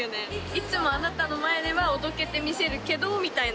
いつもあなたの前ではおどけてみせるけどみたいな。